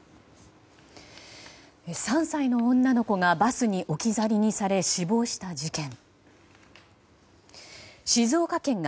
３歳の女の子がバスに置き去りにされ死亡した事件。